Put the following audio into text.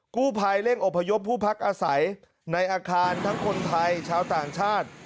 กู้ภัยเร่งอพยพผู้พักอาศัยในอาคารทั้งคนไทยชาวต่างชาติ